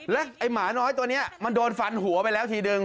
และสาวตัวนี้มันโดนฝันหัวไปแล้วทีเดือน